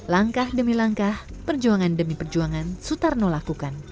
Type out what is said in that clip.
langkah demi langkah perjuangan demi perjuangan sutarno lakukan